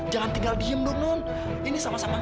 jangan tinggal diem dong non ini sama sama gak enak non